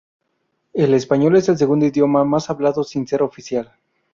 El español es el segundo idioma más hablado, sin ser oficial.